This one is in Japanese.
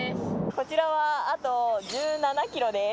こちらは、あと１７キロです。